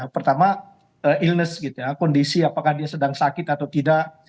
pertama illness kondisi apakah dia sedang sakit atau tidak